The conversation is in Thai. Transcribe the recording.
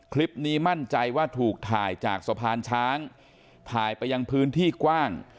คลิปนี้มั่นใจว่าถูกถ่ายจากสะพานช้างถ่ายไปยังพื้นที่กว้าง